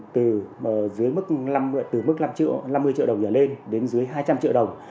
từ mức năm mươi triệu đồng nhờ lên đến dưới hai trăm linh triệu đồng